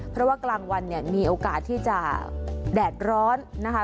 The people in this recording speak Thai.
เพราะว่ากลางวันเนี่ยมีโอกาสที่จะแดดร้อนนะคะ